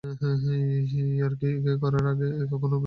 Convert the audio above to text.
ইয়াকারি আগে কখনোই খুব বেশি দূরে যায়নি।